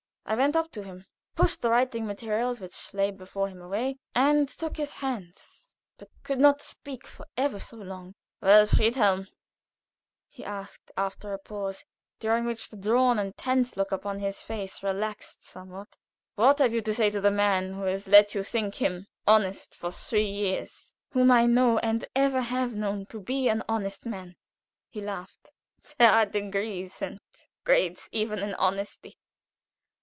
I went up to him, pushed the writing materials which lay before him away, and took his hands, but could not speak for ever so long. "Well, Friedhelm," he asked, after a pause, during which the drawn and tense look upon his face relaxed somewhat, "what have you to say to the man who has let you think him honest for three years?" "Whom I know, and ever have known, to be an honest man." He laughed. "There are degrees and grades even in honesty.